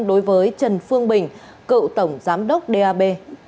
đối với trần phương bình cựu tổng giám đốc dap